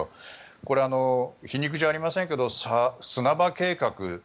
これ、皮肉じゃありませんが砂場計画。